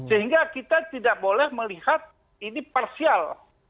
sehingga kita tidak boleh melihat ini parsial